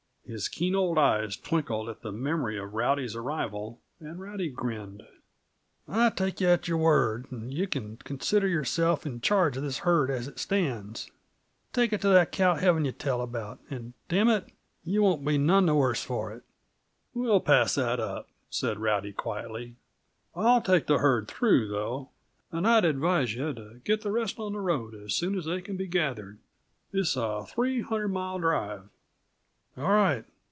His keen old eyes twinkled at the memory of Rowdy's arrival, and Rowdy grinned. "I take yuh at your word, and yuh can consider yourself in charge uh this herd as it stands. Take it t' that cow heaven yuh tell about and damn it, yuh won't be none the worse for it!" "We'll pass that up," said Rowdy quietly. "I'll take the herd through, though; and I'd advise you to get the rest on the road as soon as they can be gathered. It's a three hundred mile drive." "All right.